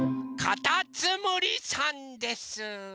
かたつむりさんです！